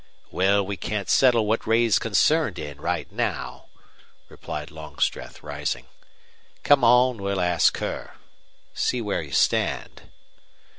"Well, we can settle what Ray's concerned in, right now," replied Longstreth, rising. "Come on; we'll ask her. See where you stand."